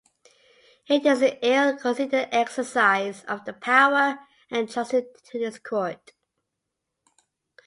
It is an ill-considered exercise of the power entrusted to this Court.